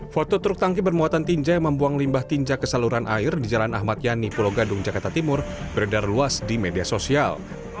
foto truk tangki bermuatan tinja yang membuang limbah tinja ke saluran air di jalan ahmad yani pulau gadung jakarta timur beredar luas di media sosial